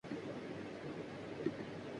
مغل، سکھ اور انگریز لاہور کو خوبصورتی دے گئے۔